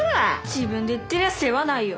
自分で言ってりゃ世話ないよ。